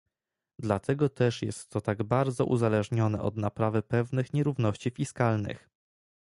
Dlatego też jest to tak bardzo uzależnione od naprawy pewnych nierówności fiskalnych